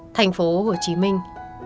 thành phố hồ chí minh